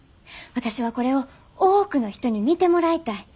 私はこれを多くの人に見てもらいたい。